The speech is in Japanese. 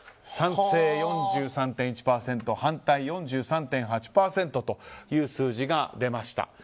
賛成４３．１％反対４３．８％という数字が出ました。